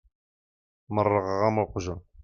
Merrɣeɣ am uqjun.